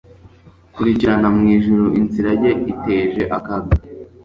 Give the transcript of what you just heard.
kurikirana, mwijuru, inzira ye iteje akaga